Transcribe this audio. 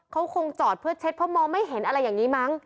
เขาคงจอดเพื่อเช็ดเพราะมองไม่เห็นอะไรอย่างนี้มั้ง